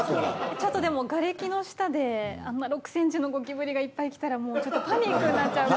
ちょっとでも瓦礫の下であんな６ｃｍのゴキブリがいっぱい来たらもうちょっとパニックになっちゃうかな。